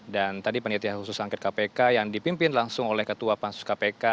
dan tadi penitia khusus angket kpk yang dipimpin langsung oleh ketua pansus kpk